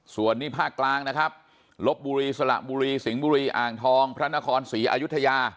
ส่วนนี้ภาคกลางนะครับลบบุรีสละบุรีสิงห์บุรีอ่างทองพระนครศรีอายุทยา